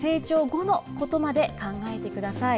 成長後のことまで考えてください。